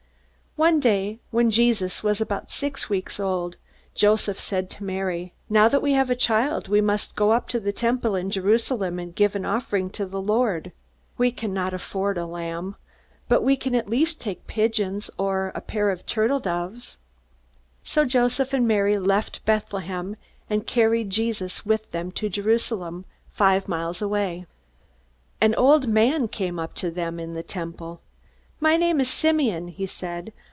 One day, when Jesus was about six weeks old, Joseph said to Mary: "Now that we have a child, we must go up to the Temple in Jerusalem and give an offering to the Lord. We cannot afford a lamb. But we can at least take pigeons or a pair of turtledoves." So Joseph and Mary left Bethlehem, and carried Jesus with them to Jerusalem, five miles away. An old man came up to them in the Temple. "My name is Simeon," he said.